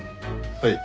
はい。